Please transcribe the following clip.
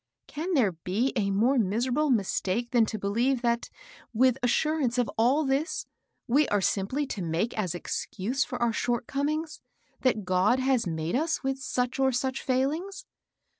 Can there be a more miserable mistake than to believe, that, with assurance of all HILDA. 83 this, we are simply to make as excuse for our short comings, that God has made us with such or such feiilings